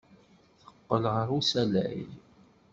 Teqqel ɣer usalay.